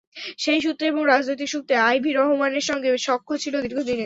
সেই সূত্রে এবং রাজনৈতিক সূত্রে আইভি রহমানের সঙ্গে সখ্য ছিল দীর্ঘদিনের।